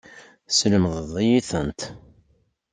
Teslemdeḍ-iyi-tent.